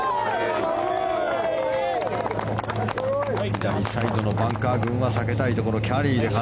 左サイドのバンカー群は避けたいところ。